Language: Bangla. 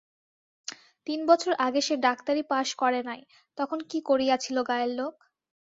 তিন বছর আগে সে ডাক্তারি পাস করে নাই, তখন কী করিয়াছিল গাঁয়ের লোক?